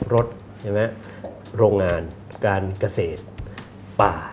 รถโรงงานการเกษตรป่า